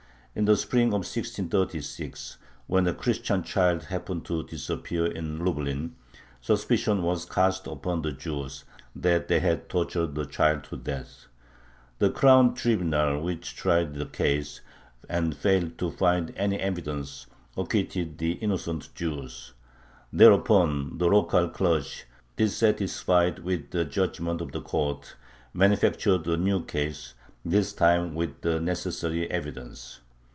In the spring of 1636, when a Christian child happened to disappear in Lublin, suspicion was cast upon the Jews, that they had tortured the child to death. The Crown Tribunal, which tried the case, and failed to find any evidence, acquitted the innocent Jews. Thereupon the local clergy, dissatisfied with the judgment of the court, manufactured a new case, this time with the necessary "evidence."